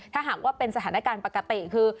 ถ้าหากว่าเป็นสถานการณ์ปกติคือ